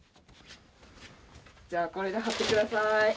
じゃあこれで張ってください。